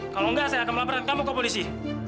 kalau tidak saya akan melaburkan kamu ke polisi